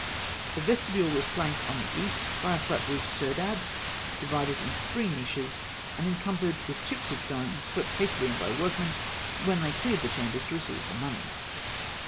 The vestibule was flanked on the east by a flat roofed serdab (F) divided into three niches, and encumbered with chips of stone swept hastily in by the workmen when they cleared the chambers to receive the mummy.